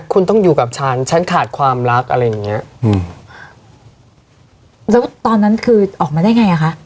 คุณต้องอยู่กับฉันฉันขาดความรักอะไรอย่างเงี้ยอืมแล้วตอนนั้นคือออกมาได้ไงอ่ะคะ